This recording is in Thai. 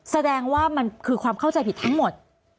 แสดงว่ามันคือความเข้าใจผิดทั้งหมด